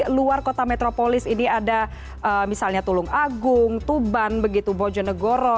luar kota metropolis ini ada misalnya tulung agung tuban bojonegoro